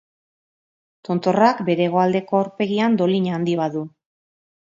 Tontorrak, bere hegoaldeko aurpegian dolina handi bat du.